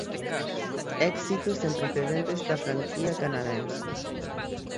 Éxito sen precedentes da franquía canadense.